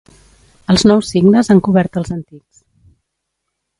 Els nous signes han cobert els antics.